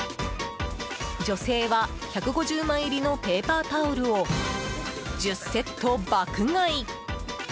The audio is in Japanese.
女性は、１５０枚入りのペーパータオルを１０セット爆買い。